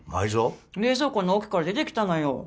冷蔵庫の奥から出てきたのよ